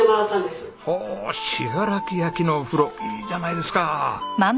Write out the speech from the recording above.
おお信楽焼のお風呂いいじゃないですか！